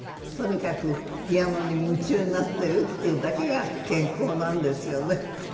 とにかくピアノに夢中になってるっていうだけが健康なんですよね。